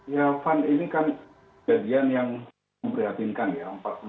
ya fun ini kan kejadian yang memprihatinkan ya